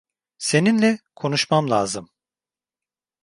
Seninle konuşmam lazım.